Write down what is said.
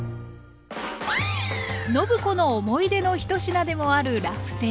暢子の思い出の１品でもある「ラフテー」。